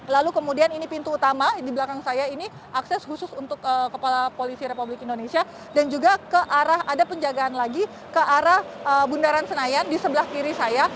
lalu kemudian ini pintu utama di belakang saya ini akses khusus untuk kepala polisi republik indonesia dan juga ke arah ada penjagaan lagi ke arah bundaran senayan di sebelah kiri saya